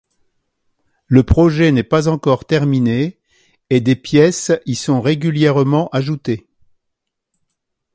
Le projet n'est pas encore terminé, et des pièces y sont régulièrement ajoutées.